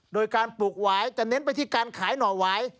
โดยการปลูกหวายจะเน้นไปที่การขายหน่อหวาย